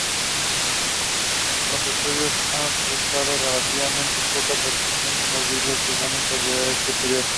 Los estudiosos han prestado relativamente poca atención al vidrio islámico de este período.